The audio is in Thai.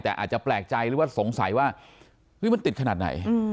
แต่อาจจะแปลกใจหรือว่าสงสัยว่าเฮ้ยมันติดขนาดไหน